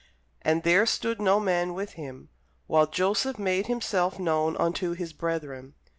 And there stood no man with him, while Joseph made himself known unto his brethren.